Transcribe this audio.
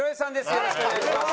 よろしくお願いします。